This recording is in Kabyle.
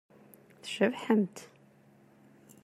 Tcebḥemt.